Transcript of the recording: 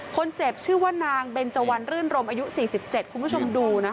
คนเจ็บชื่อว่านางเบนเจวันรื่นรมอายุ๔๗คุณผู้ชมดูนะคะ